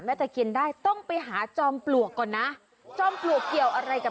แม่การะเกดอเจ้า